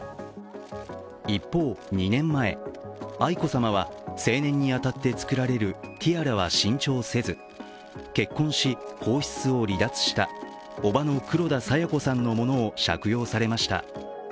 一方、２年前、愛子さまは成年にあたって作られるティアラは新調せず、結婚し、皇室を離脱した叔母の黒田清子さんのものを借用されました。